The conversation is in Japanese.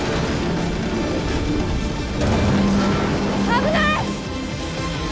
危ない！